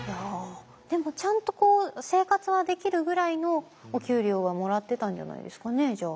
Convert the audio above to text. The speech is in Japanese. でもちゃんとこう生活はできるぐらいのお給料はもらってたんじゃないですかねじゃあ。